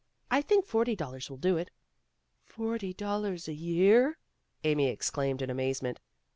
I think forty dollars will do it." "Forty dollars a year?" Amy exclaimed in amazement.